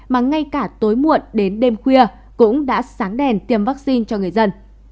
mà ngay cả tối muộn đến đêm khuya cũng đã sáng đèn tiêm vaccine cho người dân